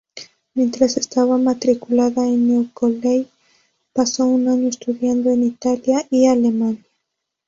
Mientras estaba matriculada en New College, pasó un año estudiando en Italia y Alemania.